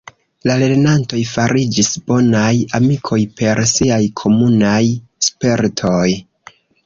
La lernantoj fariĝis bonaj amikoj per siaj komunaj spertoj.